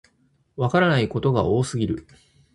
わからないことが多すぎる